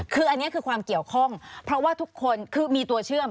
คืออันนี้คือความเกี่ยวข้องเพราะว่าทุกคนคือมีตัวเชื่อม